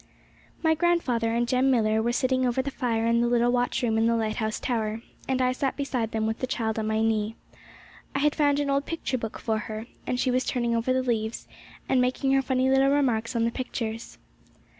My grandfather and Jem Millar were sitting over the fire in the little watchroom in the lighthouse tower, and I sat beside them with the child on my knee. I had found an old picture book for her, and she was turning over the leaves, and making her funny little remarks on the pictures.